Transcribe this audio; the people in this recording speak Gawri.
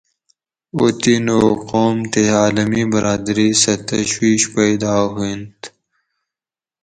اوطن و قوم تے عالمی برادری سہۤ تشویش پیدا ہوئنت؟